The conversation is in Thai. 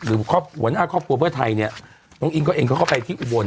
ครอบครัวหัวหน้าครอบครัวเพื่อไทยเนี่ยน้องอิงก็เองก็เข้าไปที่อุบล